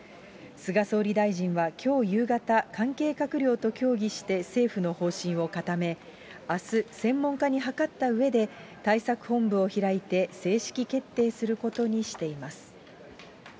菅総理大臣はきょう夕方、関係閣僚と協議して政府の方針を固め、あす、専門家に諮ったうえで、対策本部を開いて正式決定することにしています。